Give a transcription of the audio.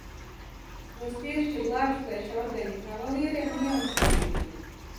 Tos piešķir Lāčplēša ordeņa kavalieriem un jaunsaimniekiem.